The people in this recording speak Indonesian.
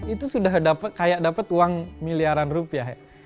itu sudah kayak dapat uang miliaran rupiah